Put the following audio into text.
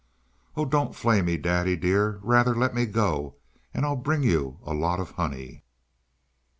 "Oh! don't flay me, daddy dear! Rather let me go, and I'll bring you a lot of honey."